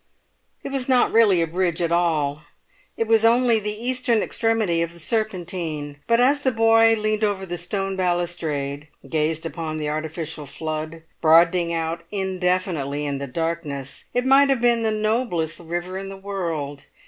It was not really a bridge at all. It was only the eastern extremity of the Serpentine; but as the boy leant over the stone balustrade, and gazed upon the artificial flood, broadening out indefinitely in the darkness, it might have been the noblest river in the world.